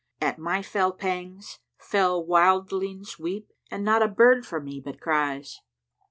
At my fell pangs fell wildlings weep * And not a bird for me but cries."